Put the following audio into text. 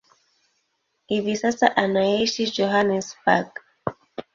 Hivi sasa anaishi Johannesburg.